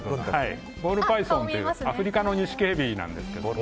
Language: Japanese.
ボールパイソンというアフリカのニシキヘビです。